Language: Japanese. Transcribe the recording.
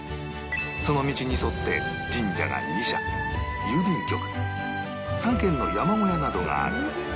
その道に沿って神社が２社郵便局３軒の山小屋などがある